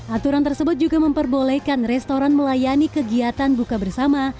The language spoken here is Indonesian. aturan tersebut juga memperbolehkan restoran melayani kegiatan buka bersama